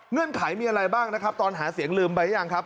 ไขมีอะไรบ้างนะครับตอนหาเสียงลืมไปหรือยังครับ